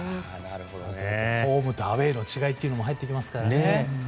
ホームとアウェーの違いも出てきますからね。